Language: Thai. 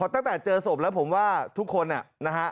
ตั้งแต่เจอศพแล้วผมว่าทุกคนนะฮะ